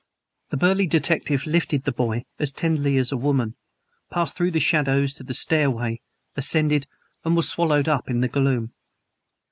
The burly detective lifted the boy as tenderly as a woman, passed through the shadows to the stairway, ascended, and was swallowed up in the gloom.